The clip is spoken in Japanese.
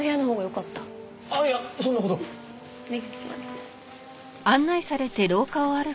お願いします。